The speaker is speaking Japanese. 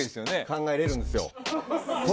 考えられるんですよ。